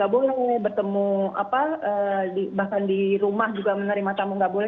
gak ke gestring gak boleh bertemu bahkan di rumah juga menerima tamu gak boleh